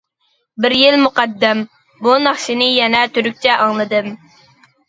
بىر يىل مۇقەددەم، بۇ ناخشىنى يەنە تۈركچە ئاڭلىدىم.